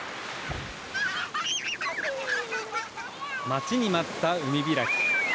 待ちに待った海開き。